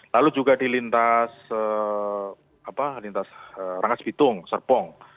lalu juga di lintas rangkas bitung serpong